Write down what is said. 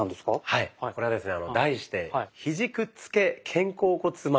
はいこれはですね